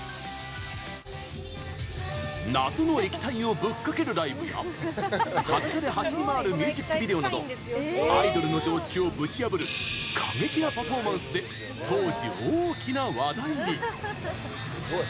謎の液体をぶっかけるライブや裸で走り回るミュージックビデオなどアイドルの常識をぶち破る過激なパフォーマンスで当時大きな話題に。